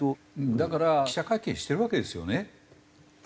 だから記者会見してるわけですよね。